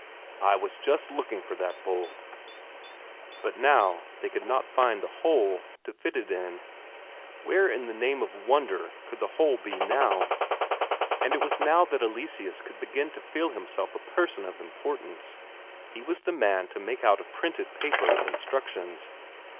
"I was just looking for that bolt." But now they could not find the hole for it to fit in where in the name of wonder could the hole be, now? And it was now that Eleseus could begin to feel himself a person of importance; he was the man to make out a printed paper of instructions.